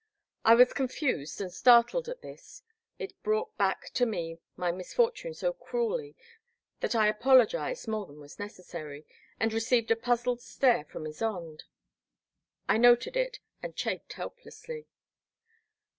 I was confused and startled at this — ^it brought back to me my misfortune so cruelly that I apologized more than was necessary, and received a puzzled stare from Ysonde. I noted it and chafed helplessly.